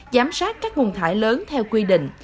giám sát các nguồn thải lớn theo quy định